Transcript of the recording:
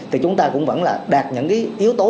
thì chúng ta cũng vẫn là đạt những cái yếu tố